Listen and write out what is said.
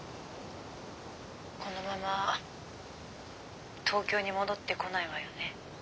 このまま東京に戻ってこないわよね。